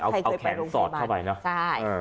เอาแขนสอดเข้าไปเนอะใช่